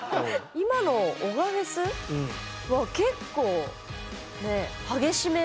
今の男鹿フェスは結構ね激しめの。